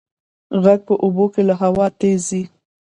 غږ په اوبو کې له هوا تېز ځي.